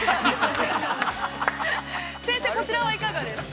◆先生、こちらはいかがですか。